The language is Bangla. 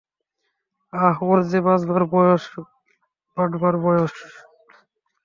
আহা, ওর যে বাঁচবার বয়েস, বাড়বার বয়েস।